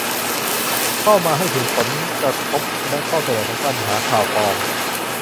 เข้ามาให้ข้อมูลถึงผลกระทบและข้อเสนอของการปัญหาข่าวปลอม